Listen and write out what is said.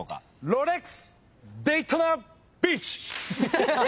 ロレックスデイトナビーチ。